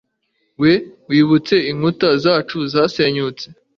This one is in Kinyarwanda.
we wubatse inkuta zacu zasenyutse